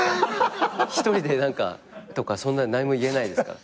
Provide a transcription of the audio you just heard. １人で何かとかそんな何も言えないですから。